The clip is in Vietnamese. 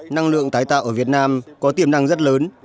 năng lượng tái tạo ở việt nam có tiềm năng rất lớn